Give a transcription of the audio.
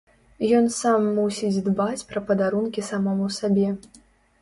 Ён сам мусіць дбаць пра падарункі самому сабе.